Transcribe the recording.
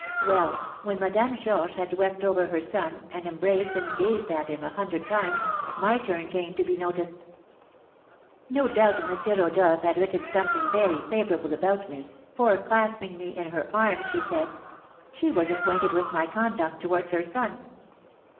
Well, when Madame Georges had wept over her son, and embraced and gazed at him a hundred times, my turn came to be noticed. "No doubt M. Rodolph had written something very favourable about me, for, clasping me in her arms, she said, 'She was acquainted with my conduct towards her son.'